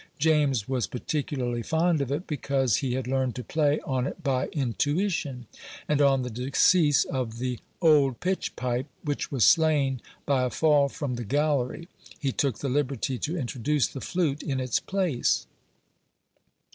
James was particularly fond of it, because he had learned to play on it by intuition; and on the decease of the old pitchpipe, which was slain by a fall from the gallery, he took the liberty to introduce the flute in its place.